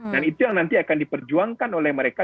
dan itu yang nanti akan diperjuangkan oleh mereka